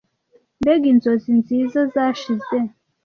mbega inzozi nziza zashize